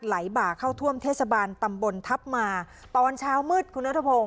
บ่าเข้าท่วมเทศบาลตำบลทัพมาตอนเช้ามืดคุณนัทพงศ